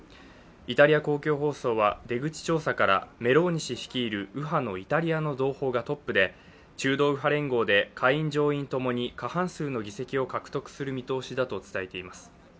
イタリア公共放送は出口調査からメローニ氏率いる右派のイタリアの同胞がトップで中道右派連合で下院上院ともに過半数を獲得する見通しだと伝えています。